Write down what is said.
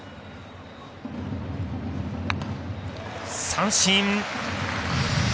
三振。